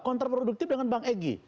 kontraproduktif dengan bang egy